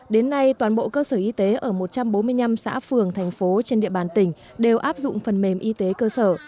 đến nay toàn bộ cơ sở y tế ở một trăm bốn mươi năm xã phường thành phố trên địa bàn tỉnh đều áp dụng phần mềm y tế cơ sở